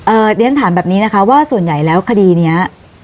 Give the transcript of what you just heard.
เรียนถามแบบนี้นะคะว่าส่วนใหญ่แล้วคดีเนี้ย